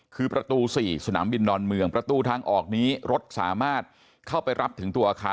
คือประตู๔สนามบินดอนเมืองประตูทางออกนี้รถสามารถเข้าไปรับถึงตัวอาคาร